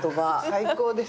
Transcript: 最高ですね。